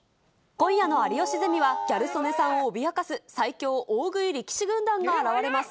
今夜の有吉ゼミは、ギャル曽根さんを脅かす最強、大食い力士軍団が現れます。